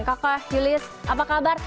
kakak julius apa kabar